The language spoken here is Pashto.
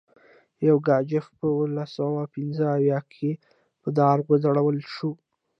یوګاچف په اوولس سوه پنځه اویا کې په دار وځړول شو.